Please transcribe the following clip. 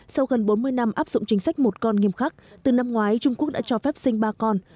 sau gần bốn mươi năm áp dụng chính sách một con nghiêm khắc từ năm ngoái trung quốc đã cho phép sinh ba con